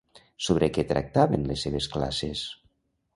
Sobre què tractaven les seves classes?